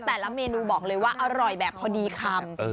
แต่ละเมนูบอกเลยว่าอร่อยแบบพอดีคำ